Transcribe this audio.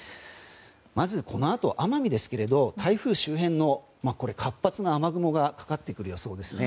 まずこのあと奄美ですが台風周辺に活発な雨雲がかかってくる予想ですね。